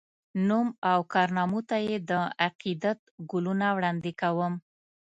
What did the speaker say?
نوم او کارنامو ته یې د عقیدت ګلونه وړاندي کوم